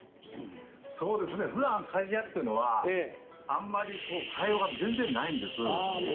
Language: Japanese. ふだん鍛冶屋っていうのはあんまり会話が全然、ないんです。